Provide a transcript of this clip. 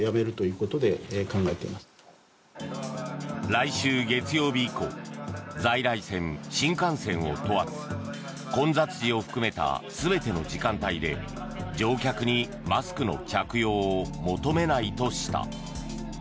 来週月曜日以降在来線、新幹線を問わず混雑時を含めた全ての時間帯で乗客にマスクの着用を求めないとした。